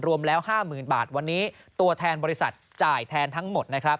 รวมแล้ว๕๐๐๐บาทวันนี้ตัวแทนบริษัทจ่ายแทนทั้งหมดนะครับ